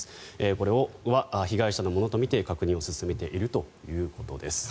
これは被害者のものとみて確認を進めているということです。